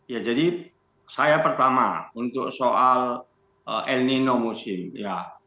ya jadi saya pertama untuk soal el nino musim ya